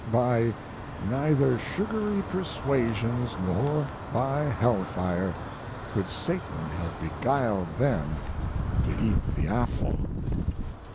By neither sugary persuasions nor by hell fire could Satan have beguiled them to eat the apple.